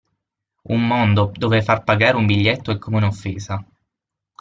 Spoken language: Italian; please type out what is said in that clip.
Un mondo dove far pagare un biglietto è come un'offesa.